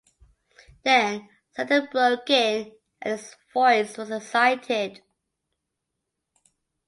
Then Xander broke in and his voice was excited.